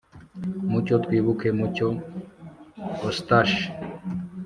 mucyo twibuke mucyo eustache